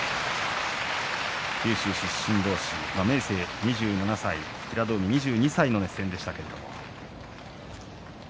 九州出身同士明生２７歳平戸海２２歳の熱戦でした。